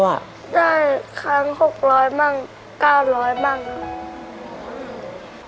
ได้ครั้ง๖๐๐มั่ง๙๐๐บ้าง